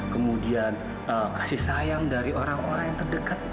kemudian kasih sayang dari orang orang yang terdekat